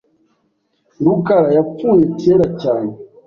rukara yapfuye kera cyane. .